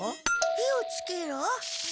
火をつけろ？